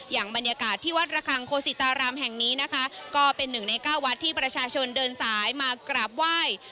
อย่างบรรยากาศที่วัดระคังโคศิตารามแห่งนี้นะคะก็เป็นหนึ่งในเก้าวัดที่ประชาชนเดินสายมากราบไหว้